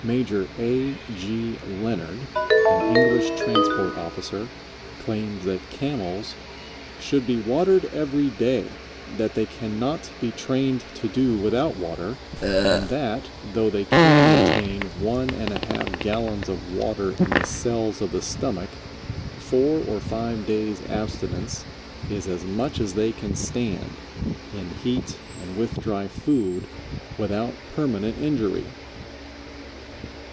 Major A. G. Leonard, an English transport officer, claims that Camels "should be watered every day, that they can not be trained to do without water, and that, though they can retain one and a half gallons of water in the cells of the stomach, four or five days' abstinence is as much as they can stand, in heat and with dry food, without permanent injury."